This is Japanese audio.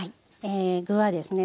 具はですね